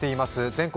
「全国！